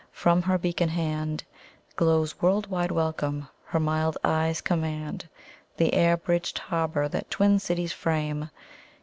From her beacon handGlows world wide welcome; her mild eyes commandThe air bridged harbour that twin cities frame.